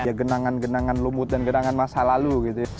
ya genangan genangan lumut dan genangan masa lalu gitu ya